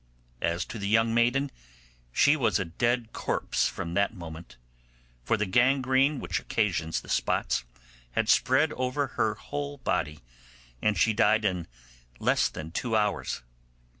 As to the young maiden, she was a dead corpse from that moment, for the gangrene which occasions the spots had spread [over] her whole body, and she died in less than two hours.